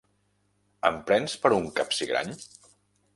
Em prens per un capsigrany?